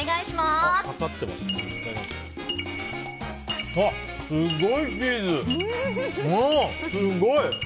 すごい！